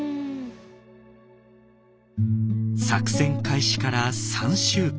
作戦開始から３週間。